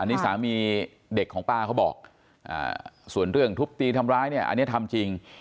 อันนี้สามีเด็กของป้าเขาบอกส่วนเรื่องทุบตีทำร้ายเนี่ยอันนี้ทำจริง